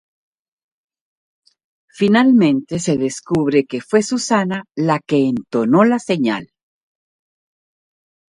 Finalmente, se descubre que fue Susana la que entonó la señal.